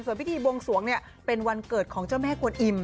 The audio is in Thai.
ส่วนพิธีบวงสวงเป็นวันเกิดของเจ้าแม่กวนอิ่ม